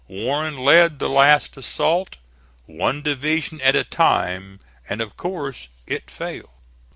Warren led the last assault, one division at a time, and of course it failed.